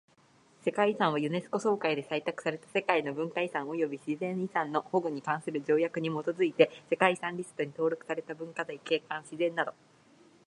世界遺産はユネスコ総会で採択された世界の文化遺産及び自然遺産の保護に関する条約に基づいて世界遺産リストに登録された文化財、景観、自然など。